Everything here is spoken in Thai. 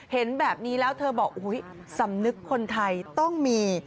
เห็นแบบนี้แล้วเธอบอกสำนึกคนไทยต้องมี